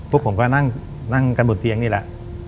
ผมก็นั่งกันบนเตียงนี่แหละ